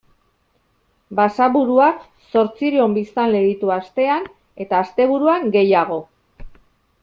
Basaburuak zortziehun biztanle ditu astean eta asteburuan gehiago.